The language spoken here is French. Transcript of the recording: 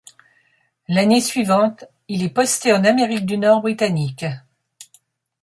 L'année suivante, il est posté en Amérique du Nord britannique.